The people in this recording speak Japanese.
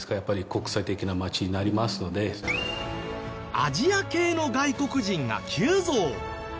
アジア系の外国人が急増。